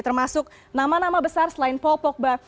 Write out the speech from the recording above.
termasuk nama nama besar selain paul pogba